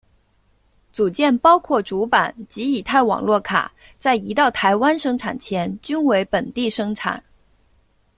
组件包括主板及乙太网络卡在移到台湾生产前均为本地生产。